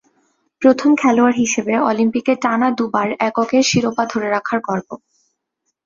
প্রথম খেলোয়াড় হিসেবে অলিম্পিকে টানা দুবার এককের শিরোপা ধরে রাখার গর্ব।